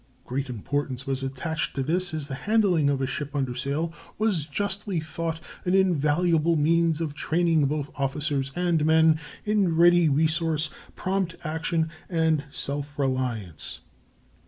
Great importance was attached to this, as the handling of a ship under sail was justly thought an invaluable means of training both officers and men in ready resource, prompt action, and self reliance."